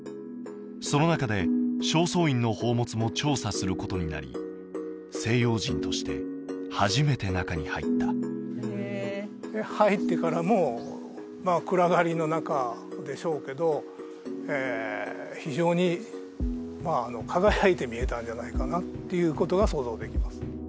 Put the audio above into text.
その中で正倉院の宝物も調査することになり西洋人として初めて中に入った入ってからも暗がりの中でしょうけど非常に輝いて見えたんじゃないかなっていうことが想像できます